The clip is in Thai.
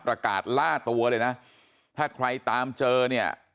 ล่าตัวเลยนะถ้าใครตามเจอเนี่ย